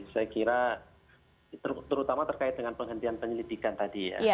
saya kira terutama terkait dengan penghentian penyelidikan tadi ya